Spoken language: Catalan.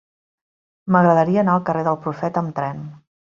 M'agradaria anar al carrer del Profeta amb tren.